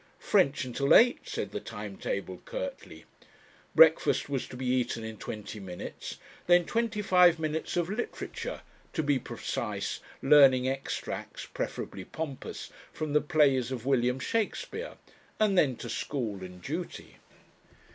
"French until eight," said the time table curtly. Breakfast was to be eaten in twenty minutes; then twenty five minutes of "literature" to be precise, learning extracts (preferably pompous) from the plays of William Shakespeare and then to school and duty.